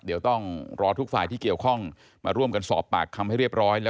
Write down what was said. เดี๋ยวต้องรอทุกฝ่ายที่เกี่ยวข้องมาร่วมกันสอบปากคำให้เรียบร้อยแล้ว